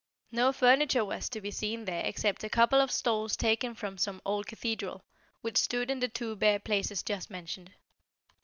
No furniture was to be seen there except a couple of stalls taken from some old cathedral, which stood in the two bare places just mentioned.